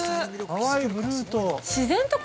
◆淡いブルーと。